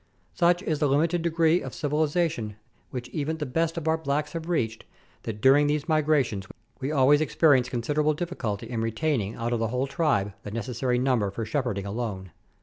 Such is the limited degree of civilization which even the best of our blacks have reached, that during these migrations we always experience considerable diffi culty in retaining out of the whole tribe the necessary number for shepherding alone.